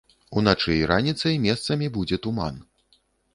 Уначы і раніцай месцамі будзе туман.